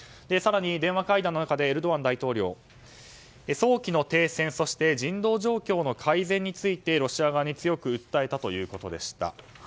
更に電話会談の中でエルドアン大統領早期の停戦、そして人道状況の改善についてロシア側に強く訴えたということでした。